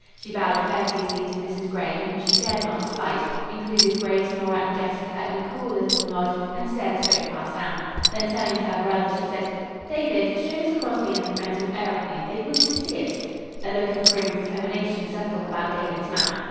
She bowed courteously to Mrs. Gray, whom she dared not slight; included Grace, Nora and Jessica in a cool little nod, and stared straight past Anne. Then turning to her brother she said, "David, show Miss Crosby and her friends your aëroplane, they wish to see it." A look of grim determination settled about David's mouth.